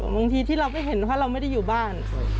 บางทีที่เราไม่เห็นเพราะเราไม่ได้อยู่บ้าน